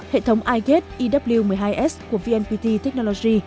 hệ thống igate ew một mươi hai s của vnpt technology